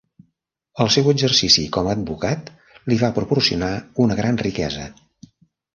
El seu exercici com a advocat li va proporcionar una gran riquesa.